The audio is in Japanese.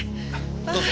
どうぞ。